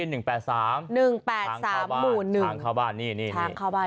คุณผู้ชมบ้านลิธิ๑๘๓๑๘๓ข้างเข้าบ้านนี่นี่นี่